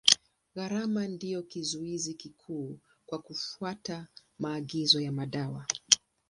Gharama ndio kizuizi kikuu kwa kufuata maagizo ya madawa.